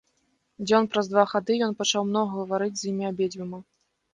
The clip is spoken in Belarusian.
Дзён праз два хады ён пачаў многа гаварыць з імі абедзвюма.